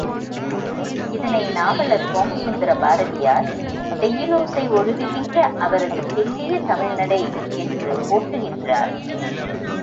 இதனை நாவலர் சோமசுந்தர பாரதியார் செய்யுளோசை ஒழுகுகின்ற அவரது தெள்ளிய தமிழ் நடை என்று போற்றுகின்றார்.